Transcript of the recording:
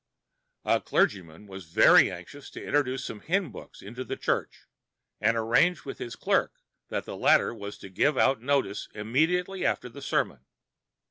A clergyman was very anxious to introduce some hymn books into the church, and arranged with his clerk that the latter was to give out the notice immediately after the sermon.